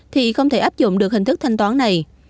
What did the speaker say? thì không thể áp dụng được hình thức thanh toán này